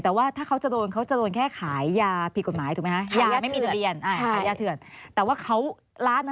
แต่ถ้าเขาจะโดนแค่แค่ขายยาผิดกฎหมาย